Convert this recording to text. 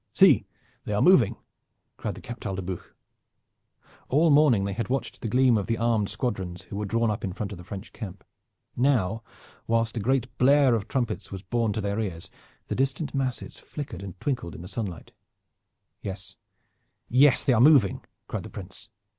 "See, they are moving!" cried the Captal de Buch. All morning they had watched the gleam of the armed squadrons who were drawn up in front of the French camp. Now whilst a great blare of trumpets was borne to their ears, the distant masses flickered and twinkled in the sunlight. "Yes, yes, they are moving!" cried the Prince.